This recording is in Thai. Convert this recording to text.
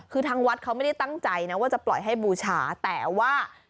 คือทางวัดเขาไม่ได้ตั้งใจนะว่าจะปล่อยให้บูชาแต่ว่า